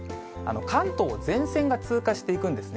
関東を前線が通過していくんですね。